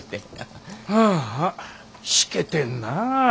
ああしけてんなぁ。